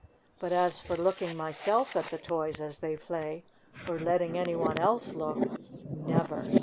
But as for looking myself at the toys as they play, or letting any one else look — never